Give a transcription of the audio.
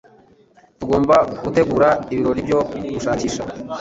Tugomba gutegura ibirori byo gushakisha.